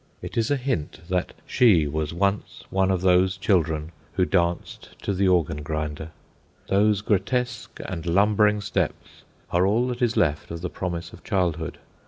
It is a hint that she was once one of those children who danced to the organ grinder. Those grotesque and lumbering steps are all that is left of the promise of childhood.